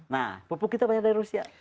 nah pupuk kita banyak dari rusia